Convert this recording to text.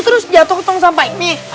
terus jatuh ke tong sampah ini